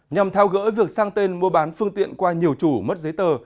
nhằm thao gỡ việc sang tên mua bán phương tiện qua nhiều chủ mất giấy tờ